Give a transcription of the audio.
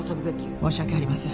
申し訳ありません。